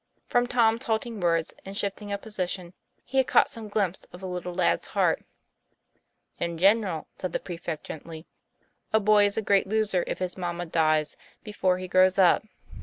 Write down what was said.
From Tom's halting words and shifting of position he had caught some glimpse of the little lad's heart. "In general," said the prefect quite gently, ;< a boy is a great loser if his mamma dies before he grows up.